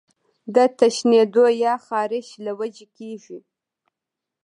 د تښنېدو يا خارښ له وجې کيږي